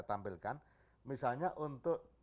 tampilkan misalnya untuk